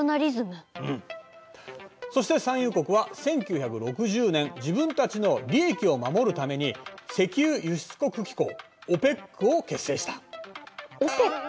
そして産油国は１９６０年自分たちの利益を守るために石油輸出国機構ＯＰＥＣを結成した。